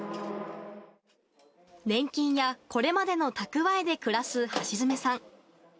年金やこれまでの蓄えで暮らす橋爪さん。